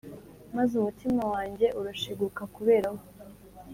maze umutima wanjye urashiguka kubera we.